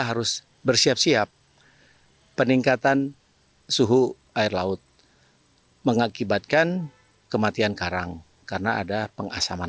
harus bersiap siap peningkatan suhu air laut mengakibatkan kematian karang karena ada pengasaman